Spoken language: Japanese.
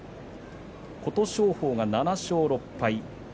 琴勝峰は７勝６敗。